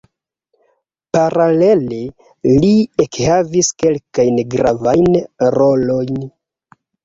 Paralele, li ekhavis kelkajn gravajn rolojn.